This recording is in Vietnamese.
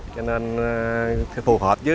cho nên phù hợp rất nhiều